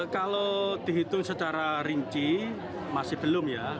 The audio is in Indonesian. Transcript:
kalau dihitung secara rinci masih belum ya